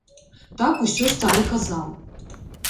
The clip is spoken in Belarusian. Так усё стары казаў.